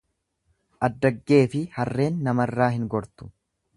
Addaggeefi harreen namarraa hin gortu.